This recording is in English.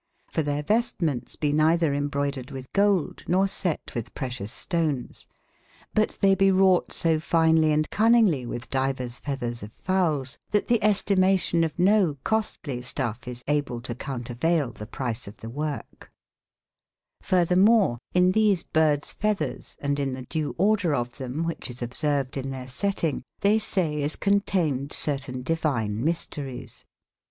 f or tbeireves timentes be neitber embraudered witb gold, nor set witb precious stones. But tbey be wrougbt so fynely & conninge iyc witb divers fetbers of foules, tbat tbe estimation of no costely stuffe is bable to countervail tbe price of tbe worke j^ f urtbermore in tbese birdes fetbers, and in tbe dewe ordre of tbem, wbicbe is observed in tbeire setting, tbey save is conteyned certaine divine mis teries.